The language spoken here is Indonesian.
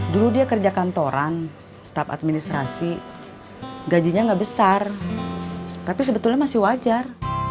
dulu dia kerja kantoran staf administrasi gajinya nggak besar tapi sebetulnya masih wajar